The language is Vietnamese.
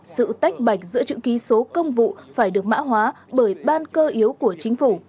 sự tách bạch giữa chữ ký số công vụ phải được mã hóa bởi ban cơ yếu của chính phủ